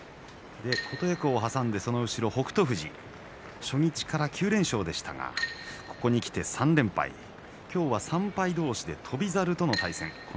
琴恵光を挟んでその後ろ北勝富士初日から９連勝でしたがここにきて３連敗今日は３敗同士で翔猿との対戦です。